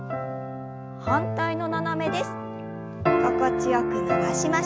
反対の斜めです。